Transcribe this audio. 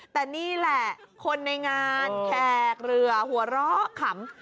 แต่นี่แหละคนในงานแขกเรือหัวเราะขำ